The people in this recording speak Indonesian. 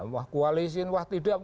wah koalisi wah tidak